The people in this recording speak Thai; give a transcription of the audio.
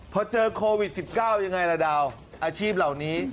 พอเจอโควิด๑๙ยังไงล่ะดาวอาชีพเหล่านี้